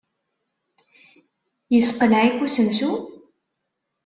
Yesseqneɛ-ik usensu-a?